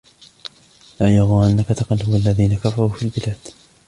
لَا يَغُرَّنَّكَ تَقَلُّبُ الَّذِينَ كَفَرُوا فِي الْبِلَادِ